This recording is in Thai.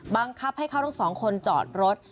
บังคับให้เขาทั้งสองคนจอดรถ